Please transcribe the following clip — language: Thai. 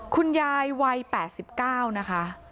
คุณยายวัย๘๙นะคะ